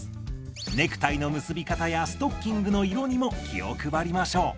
ネクタイの結び方やストッキングの色にも気を配りましょう。